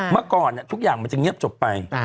เมื่อก่อนทุกอย่างมันจะเงียบจบไป